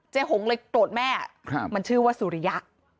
หงเลยโกรธแม่มันชื่อว่าสุริยะ